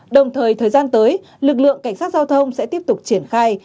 đồng thời thời gian tới lực lượng cảnh sát giao thông sẽ tiếp tục triển khai